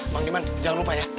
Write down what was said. bang iman jangan lupa ya